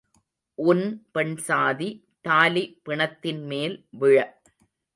உன் பெண்சாதி தாலி பிணத்தின்மேல் விழ.